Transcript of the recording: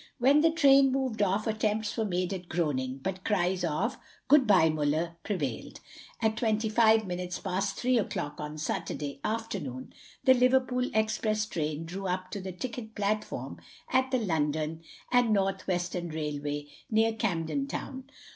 When the train moved off attempts were made at groaning, but cries of "Good bye, Muller," prevailed. At twenty five minutes past three o'clock on Saturday afternoon the Liverpool express train drew up to the ticket platform at the London and North Western Railway, near Camden Town.